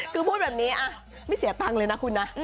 คือพูดแบบนี้ไม่เสียตังค์เลยนะคุณนะ